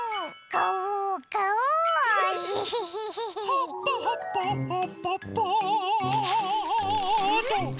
はっぱはっぱはっぱっぱと。